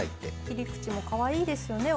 切り口もかわいいですよね